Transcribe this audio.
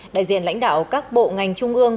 đại diện lãnh đạo các bộ ngành trung ương